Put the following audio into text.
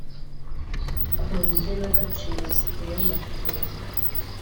Ku ngenagaciro ziteye amakenga